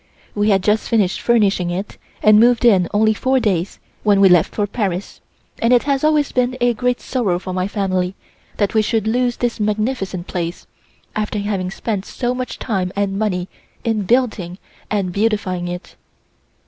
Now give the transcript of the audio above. We had just finished furnishing it and moved in only four days when we left for Paris; and it has always been a great sorrow to my family that we should lose this magnificent place, after having spent so much time and money in building and beautifying it.